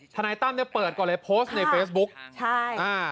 ธนายตั้มเปิดก่อนเลยโพสต์ในเฟซบุ๊คใช่